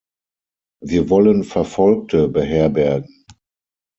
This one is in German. Wir wollen Verfolgte beherbergen.